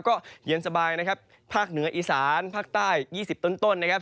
ก็เย็นสบายนะครับภาคเหนืออีสานภาคใต้๒๐ต้นนะครับ